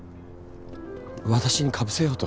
私にかぶせようと？